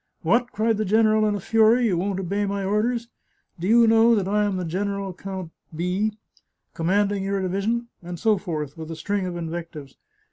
" What !" cried the general in a fury ;" you won't obey my orders ? Do you know that I am General Count B , commanding your division ?" and so forth, with a string of invectives.